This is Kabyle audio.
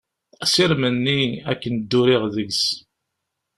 Asirem-nni akken dduriɣ deg-s.